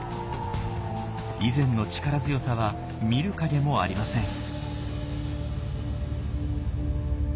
以前の力強さは見る影もありません。